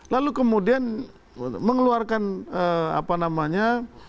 lalu kemudian mengeluarkan apa namanya